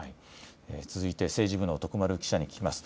続いて政治部の徳丸記者に聞きます。